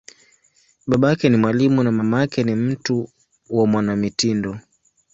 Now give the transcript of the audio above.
Babake ni mwalimu, na mamake ni mtu wa mwanamitindo.